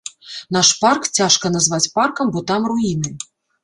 Наш парк цяжка назваць паркам, бо там руіны.